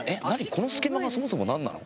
この隙間がそもそも何なの？